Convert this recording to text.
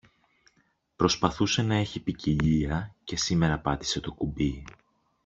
Προσπαθούσε να έχει ποικιλία και σήμερα πάτησε το κουμπί